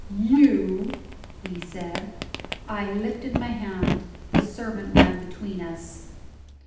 "You!" he said. I lifted my hand. The servant ran between us.